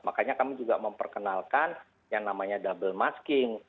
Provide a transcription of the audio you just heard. makanya kami juga memperkenalkan yang namanya double masking